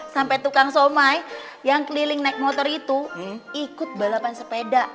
sampai tukang somai yang keliling naik motor itu ikut balapan sepeda